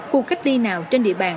khu cách đi nào trên địa bàn